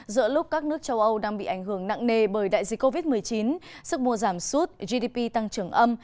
giữa lúc các nước châu âu đang bị ảnh hưởng nặng nề bởi đại dịch covid một mươi chín sức mua giảm sút gdp tăng trưởng âm